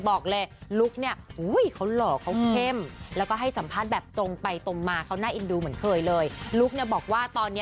บอกว่าพ่อนางลุอะเขาเป็นคนฮ